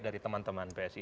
dari teman teman psi